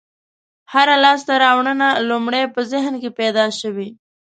هره لاستهراوړنه لومړی په ذهن کې پیدا شوې.